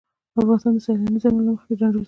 افغانستان د سیلانی ځایونه له مخې پېژندل کېږي.